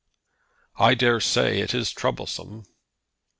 "I dare say it is troublesome."